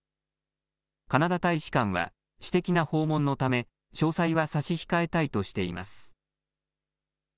カナダ大使館は私的な訪問のため詳細は差し控えたいとしています。